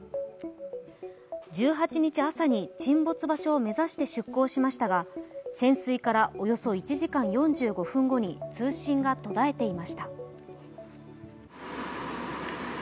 １８日朝に沈没場所を目指して出航しましたが潜水からおよそ１時間４５分後に通信が途絶えていました。